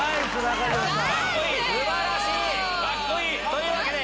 ⁉というわけで。